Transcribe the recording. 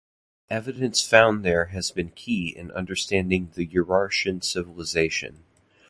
Evidence found there has been key in understanding the Urartian civilization.